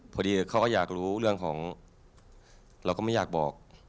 พอดีเขาก็อยากรู้เรื่องของเราก็ไม่อยากบอก